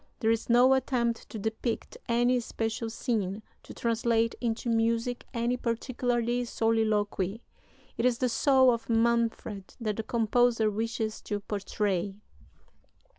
There is no attempt to depict any special scene, to translate into music any particular soliloquy. It is the soul of Manfred that the composer wishes to portray."